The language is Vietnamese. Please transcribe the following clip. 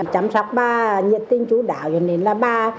chăm sóc ba nhiệt tinh chú đảo cho nên là ba